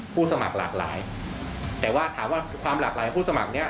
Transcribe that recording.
สมัครหลากหลายแต่ว่าถามว่าความหลากหลายผู้สมัครเนี่ย